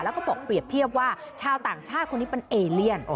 แล้วก็บอกเปรียบเทียบว่าชาวต่างชาติคนนี้เป็นเอเลียน